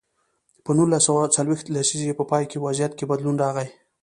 په نولس سوه څلویښت لسیزې په پای کې وضعیت کې بدلون راغی.